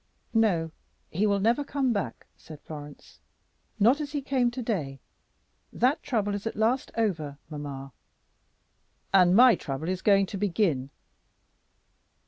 "No; he will never come back," said Florence, "not as he came to day. That trouble is at last over, mamma." "And my trouble is going to begin."